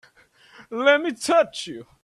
Let me touch you!